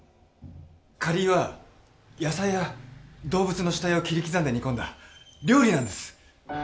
カリーは野菜や動物の死体を切り刻んで煮込んだ料理なんです！